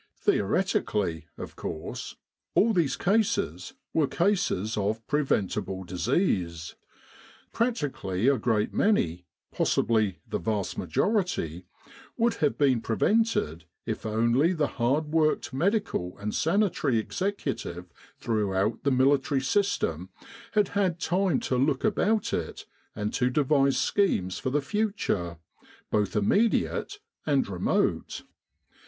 Theoreti cally, of course, all these cases were cases of pre ventable disease : practically a great many, possibly 219 With the R.A.M.C. in Egypt the vast majority, would have been prevented if only the hard worked medical and sanitary executive throughout the military system had had time to look about it and to devise schemes for the future, both immediate and remote.